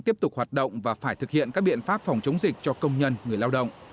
tiếp tục hoạt động và phải thực hiện các biện pháp phòng chống dịch cho công nhân người lao động